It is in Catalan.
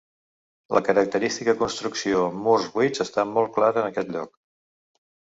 La característica construcció amb murs buits està molt clara en aquest lloc.